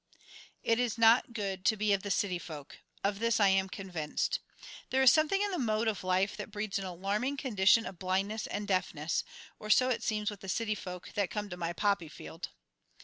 It is not good to be of the city folk. Of this I am convinced. There is something in the mode of life that breeds an alarming condition of blindness and deafness, or so it seems with the city folk that come to my poppy field.